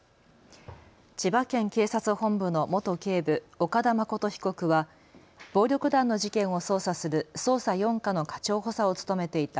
千葉県警察本部の元警部、岡田誠被告は暴力団の事件を捜査する捜査４課の課長補佐を務めていた